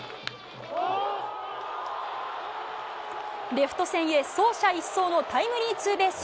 レフト線へ走者一掃のタイムリーツーベース。